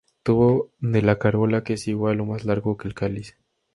Tubo de la corola que es igual o más largo que el cáliz.